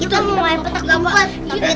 kita mau main petak gempar